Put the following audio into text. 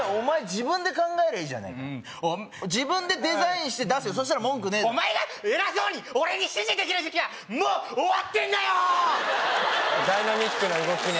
自分で考えりゃいいじゃないか自分でデザインして出せよそしたら文句ねえだろお前が偉そうに俺に指示できる時期はもう終わってんだよー！